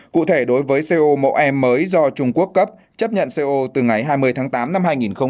cụ thể đối với co mẫu e mới do trung quốc cấp chấp nhận co từ ngày hai mươi tháng tám năm hai nghìn hai mươi